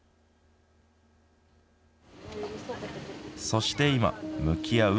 そして今、向き合う